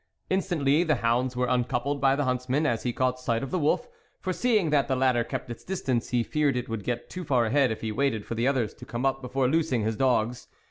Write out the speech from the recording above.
Instantly the hounds were uncoupled by the huntsman as he caught sight of the wolf, for seeing that the latter kept its distance, he feared it would get too far ahead if he waited for the others to come up before loosing his dogs.